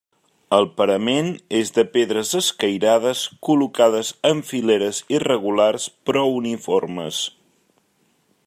El parament és de pedres escairades col·locades en fileres irregulars però uniformes.